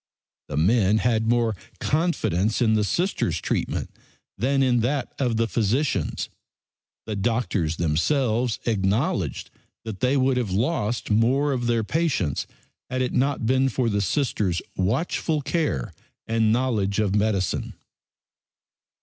The men had more confidence in the Sisters' treatment than in that of the physicians'. The doctors themselves acknowledged that they would have lost more of their patients had it not been for the Sisters' watchful care and knowledge of medicine.